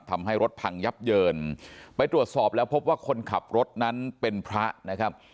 ทำให้รถพังยับเยินไปตรวจสอบแล้วพบว่าคนขับรถนั้นเป็นพระนะครับ